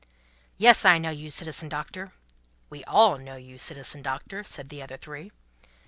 "Yes, I know you, Citizen Doctor." "We all know you, Citizen Doctor," said the other three.